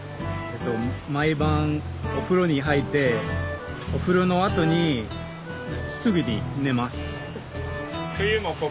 毎晩お風呂に入ってお風呂のあとにすぐに寝ます。